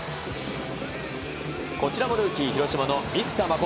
こちらもルーキー、広島の満田誠。